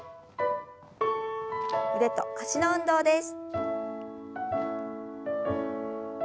腕と脚の運動です。